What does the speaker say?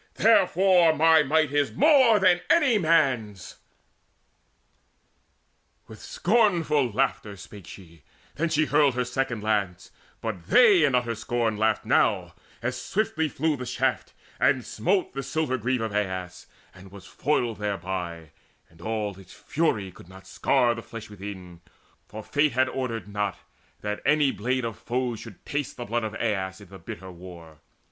Therefore my might is more than any man's." With scornful laughter spake she: then she hurled Her second lance; but they in utter scorn Laughed now, as swiftly flew the shaft, and smote The silver greave of Aias, and was foiled Thereby, and all its fury could not scar The flesh within; for fate had ordered not That any blade of foes should taste the blood Of Aias in the bitter war.